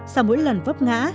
sau mỗi lần vấp ngã